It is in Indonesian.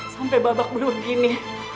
sampai babak belum gini